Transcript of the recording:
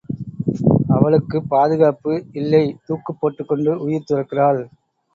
அவளுக்குப் பாதுகாப்பு இல்லை தூக்குப் போட்டுக்கொண்டு உயிர் துறக்கிறாள்.